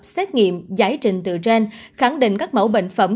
xét nghiệm giải trình từ gen khẳng định các mẫu bệnh phẩm